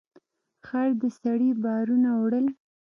خر د سړي بارونه وړل.